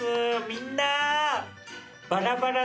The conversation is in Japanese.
みんな！